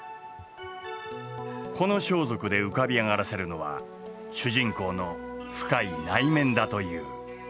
この装束で浮かび上がらせるのは主人公の深い内面だという。